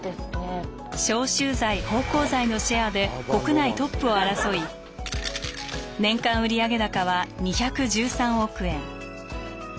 消臭剤芳香剤のシェアで国内トップを争い年間売上高は２１３億円。